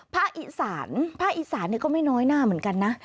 พะอิษร่ะพะอิษรก็ไม่น้อยหน้าเหมือนกันนะ